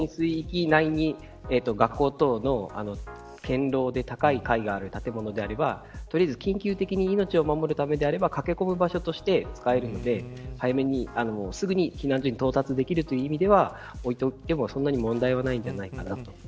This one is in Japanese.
浸水域内に学校等の堅牢で高い階がある建物であれば取りあえず、緊急的に命を守るためであれば駆け込むの場所として使えるのですぐに避難所に到達できるという意味ではそんなに問題はないんじゃないかなと。